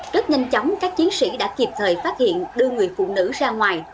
rất nhanh chóng các chiến sĩ đã kịp thời phát hiện đưa người phụ nữ ra ngoài